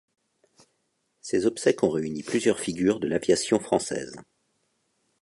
Ses obsèques ont réuni plusieurs figures de l'aviation française.